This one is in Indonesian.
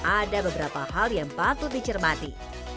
ada beberapa hal yang patut dicermati